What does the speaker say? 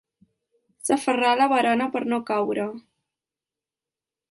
S'aferrà a la barana per no caure.